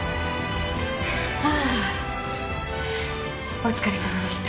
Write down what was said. お疲れさまでした。